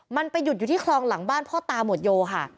มันไปหยุดอยู่ที่คลองหลังบ้านพ่อตาหมวดโยค่ะ